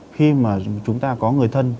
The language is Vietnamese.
khi mà chúng ta có người thân